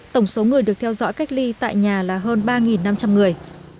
tổng số người được theo dõi cách ly tại nhà là hơn ba năm trăm linh người